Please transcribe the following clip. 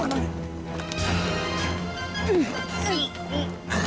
ya sudah ini dia yang nangis